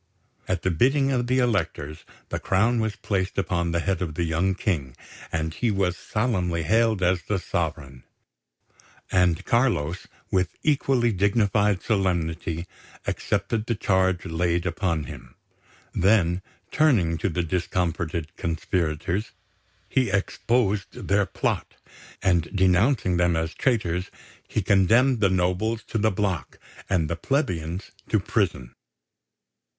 At the bidding of the Electors the crown was placed upon the head of the young King, and he was solemnly hailed as the Sovereign; and Carlos, with equally dignified solemnity, accepted the charge laid upon him. Then, turning to the discomfited conspirators, he exposed their plot; and, denouncing them as traitors, he condemned the nobles to the block and the plebeians to prison.